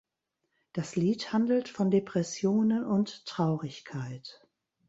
Das Lied handelt von Depressionen und Traurigkeit.